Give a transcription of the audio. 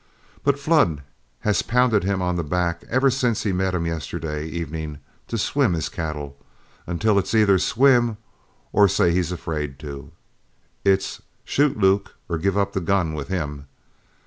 But Flood has pounded him on the back ever since he met him yesterday evening to swim his cattle, until it's either swim or say he's afraid to, it's 'Shoot, Luke, or give up the gun' with him.